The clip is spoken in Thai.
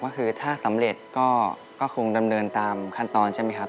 ก็คือถ้าสำเร็จก็คงดำเนินตามขั้นตอนใช่ไหมครับ